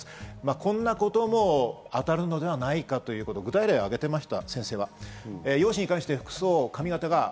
こんなことも当たるのではないかと、具体例を挙げてくれました。